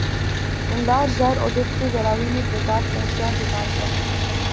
Une large aire au-dessus de la limite des arbres contient des taïgas.